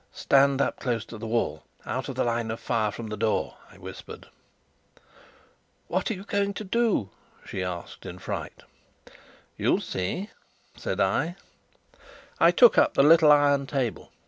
"Stand up close to the wall, out of the line of fire from the door," I whispered. "What are you going to do?" she asked in fright. "You'll see," said I. I took up the little iron table.